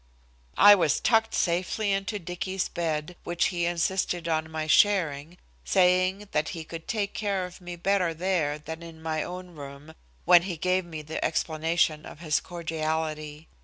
I was tucked safely into Dicky's bed, which he insisted on my sharing, saying that he could take care of me better there than in my own room, when he gave me the explanation of his cordiality.